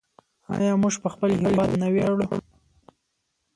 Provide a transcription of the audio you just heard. آیا موږ په خپل هیواد نه ویاړو؟